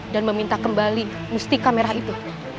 dan meminta kembali mustika merah itu